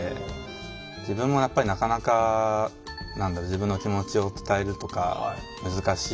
自分もやっぱりなかなか何だろう自分の気持ちを伝えるとか難しいから。